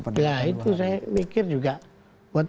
nah itu saya mikir juga buat